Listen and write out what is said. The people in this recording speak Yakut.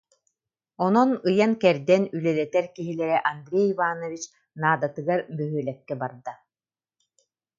Онон ыйан-кэрдэн үлэлэтэр киһилэрэ Андрей Иванович наадатыгар бөһүөлэккэ барда